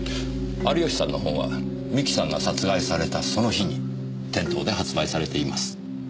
有吉さんの本は三木さんが殺害されたその日に店頭で発売されています。